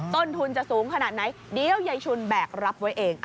ต้นทุนจะสูงขนาดไหนเดี๋ยวยายชุนแบกรับไว้เอง